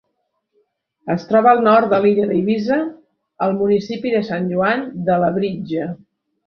Es troba al nord de l'illa d'Eivissa, al municipi de Sant Joan de Labritja.